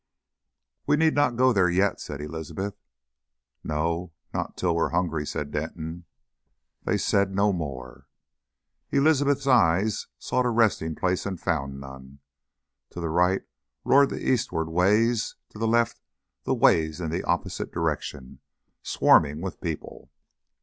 "We need not go there yet?" said Elizabeth. "No not till we are hungry," said Denton. They said no more. Elizabeth's eyes sought a resting place and found none. To the right roared the eastward ways, to the left the ways in the opposite direction, swarming with people.